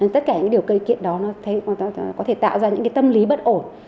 tất cả những điều cây kiện đó nó có thể tạo ra những tâm lý bất ổn